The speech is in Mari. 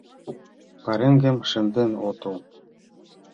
Пареҥгым шынден отыл?